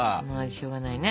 しょうがないね。